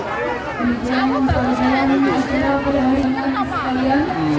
semangat bagus kenapa